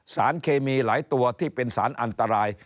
สารเคมีหลายตัวที่เป็นสารอันตราย